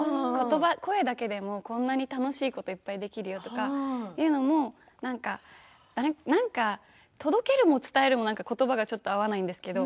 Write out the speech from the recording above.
声だけでも、こんなに楽しいこといっぱいできるよとか言うのも届けるも伝えるも言葉がちょっと合わないんですけど